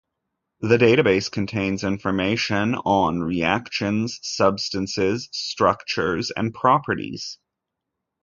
The database contains information on reactions, substances, structures and properties.